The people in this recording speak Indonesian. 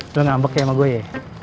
lo ngambek ya sama gue ya